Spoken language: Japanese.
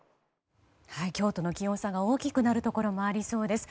今日との気温差が大きくなるところもありそうです。